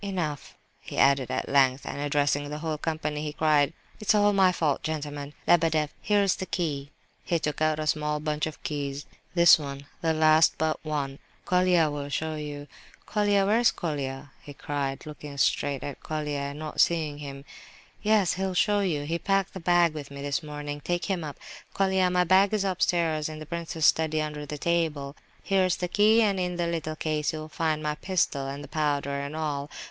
"Enough!" he added at length, and addressing the whole company, he cried: "It's all my fault, gentlemen! Lebedeff, here's the key," (he took out a small bunch of keys); "this one, the last but one—Colia will show you—Colia, where's Colia?" he cried, looking straight at Colia and not seeing him. "Yes, he'll show you; he packed the bag with me this morning. Take him up, Colia; my bag is upstairs in the prince's study, under the table. Here's the key, and in the little case you'll find my pistol and the powder, and all.